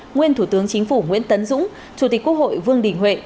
nguyên thủ tướng chính phủ nguyễn tấn dũng chủ tịch quốc hội vương đình huệ